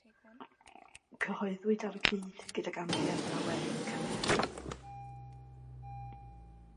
Cyhoeddwyd ar y cyd gydag Amgueddfa Werin Cymru.